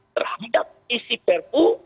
terhadap isi perpu